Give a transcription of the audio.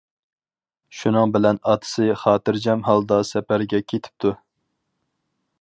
شۇنىڭ بىلەن ئاتىسى خاتىرجەم ھالدا سەپەرگە كېتىپتۇ.